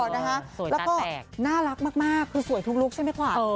แล้วก็น่ารักมากคือสวยทุกลุคใช่ไหมขวัญ